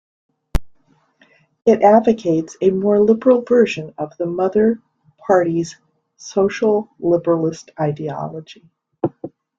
It advocates a more liberal version of the mother party's social liberalist ideology.